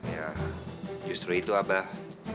ya justru itu abah